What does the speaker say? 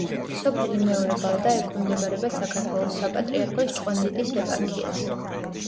სოფელი მეორე ბალდა ექვემდებარება საქართველოს საპატრიარქოს ჭყონდიდის ეპარქიას.